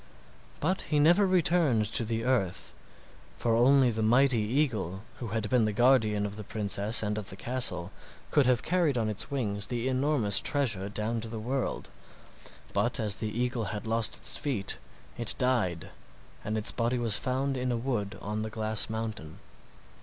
But he never returned to the earth, for only the mighty eagle, who had been the guardian of the princess and of the castle, could have carried on his wings the enormous treasure down to the world. But as the eagle had lost its feet, it died, and its body was found in a wood on the glass mountain.